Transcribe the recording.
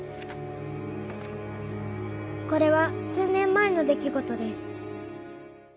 「これは数年前の出来事です」